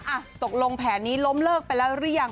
อ่ะตกลงแผนนี้ล้มเลิกไปแล้วหรือยัง